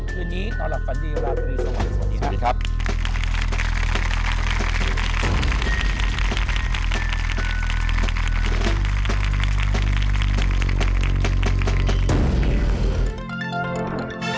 วันนี้น้องหลับฝันดีอยู่ราวที่นี่สวัสดีครับ